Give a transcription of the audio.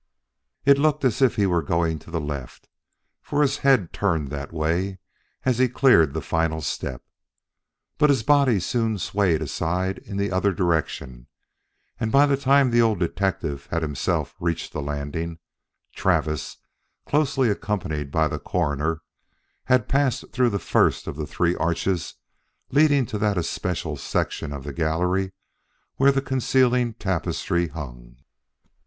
It looked as if he were going to the left, for his head turned that way as he cleared the final step. But his body soon swayed aside in the other direction, and by the time the old detective had himself reached the landing, Travis, closely accompanied by the Coroner, had passed through the first of the three arches leading to that especial section of the gallery where the concealing tapestry hung.